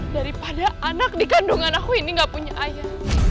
daripada anak di kandungan aku ini gak punya ayah